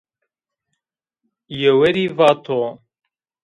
Yewerî vato